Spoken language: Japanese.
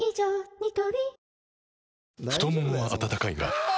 ニトリ太ももは温かいがあ！